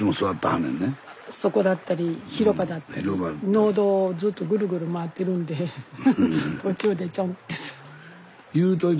農道をずっとぐるぐる回ってるんで途中でちょんって座って。